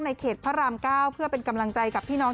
เขตพระราม๙เพื่อเป็นกำลังใจกับพี่น้อง